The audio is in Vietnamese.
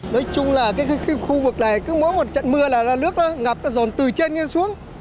nói chung là cái khu vực này cứ mỗi một trận mưa là nước nó ngập nó dồn từ trên xuống